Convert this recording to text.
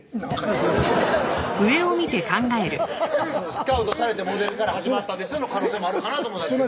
おきれいやから「スカウトされてモデルから始まったんです」の可能性もあるかなと思ったんです